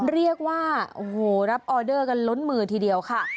เรียกว่าโอ้โหรับออเดอร์กันล้นมือทีเดียวค่ะ